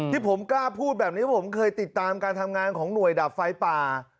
ที่ผมกล้าพูดแบบนี้ผมเคยติดตามการทำงานของหน่วยดับไฟป่า